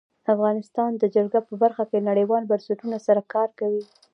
افغانستان د جلګه په برخه کې نړیوالو بنسټونو سره کار کوي.